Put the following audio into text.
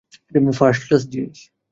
First class জিনিস।